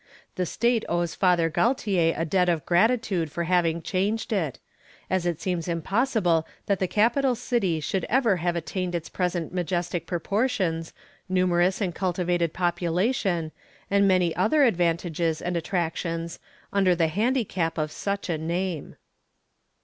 The state owes Father Galtier a debt of gratitude for having changed it, as it seems impossible that the capital city could ever have attained its present majestic proportions, numerous and cultivated population, and many other advantages and attractions, under the handicap of such a name.